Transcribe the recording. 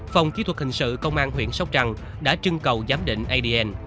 phòng kỹ thuật hình sự công an huyện sóc trăng đã trưng cầu giám định adn